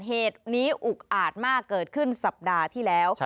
เหตุนี้อุกอาจมากเกิดขึ้นสัปดาห์ที่แล้ว